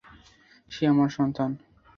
সে আমার সন্তান।